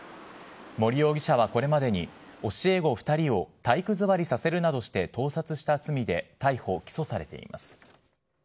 森容疑者はこれまでに、教え子２人を体育座りさせるなどして盗撮した罪で逮捕・起訴されています。